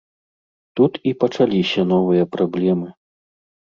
Тут і пачаліся новыя праблемы.